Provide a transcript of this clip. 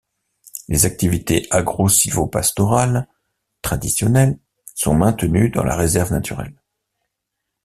Les activités agro-sylvo-pastorales traditionnelles sont maintenues dans la réserve naturelle.